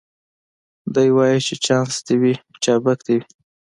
دی وايي چي چانس دي وي چابک دي وي